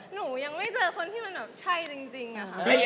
หนูยังไม่เจอคนที่มันแบบใช่จริงอะค่ะ